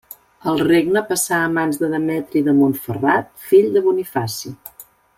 El regne passà a mans de Demetri de Montferrat, fill de Bonifaci.